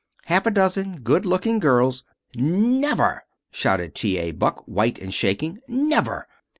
Half a dozen good looking girls " "Never!" shouted T. A. Buck, white and shaking. "Never!